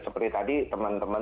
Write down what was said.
seperti tadi teman teman